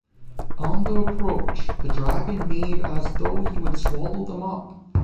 On the approach, the dragon made as though he would swallow them up.